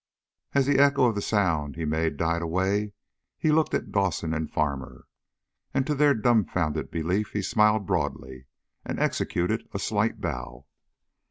As the echo of the sounds he made died away, he looked at Dawson and Farmer. And to their dumbfounded belief he smiled broadly, and executed a slight bow.